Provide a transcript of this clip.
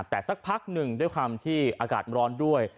แต่สักพักหนึ่งด้วยความที่อากาศร้อนด้วย